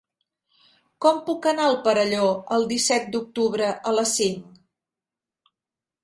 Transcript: Com puc anar al Perelló el disset d'octubre a les cinc?